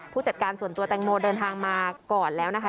จัดการส่วนตัวแตงโมเดินทางมาก่อนแล้วนะคะ